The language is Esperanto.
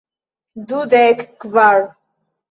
Dudek kvar.